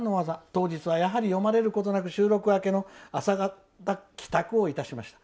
当日は読まれることなく収録明けの朝方に帰宅をいたしました。